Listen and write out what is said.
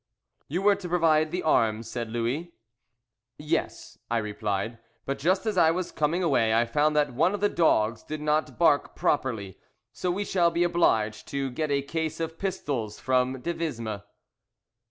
"You were to provide the arms," said Louis. "Yes," I replied, "but just as I was coming away I found that one of the dogs did not bark properly, so we shall be obliged to get a case of pistols from Devisme."